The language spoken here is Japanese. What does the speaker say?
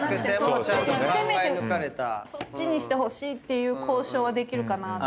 せめてそっちにしてほしいって交渉はできるかなと。